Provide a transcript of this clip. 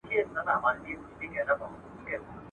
دوې یې سترګي وې په سر کي غړېدلې.